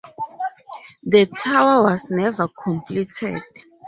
The tower was never completed.